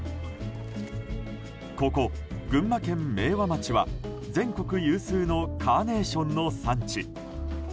ここ群馬県明和町は全国有数のカーネーションの産地。